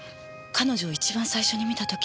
彼女を一番最初に見た時。